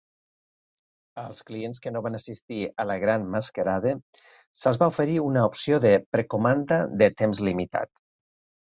Als clients que no van assistir a la Gran Masquerade se'ls va oferir una opció de precomanda de temps limitat.